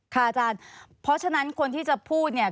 อาจารย์เพราะฉะนั้นคนที่จะพูดเนี่ย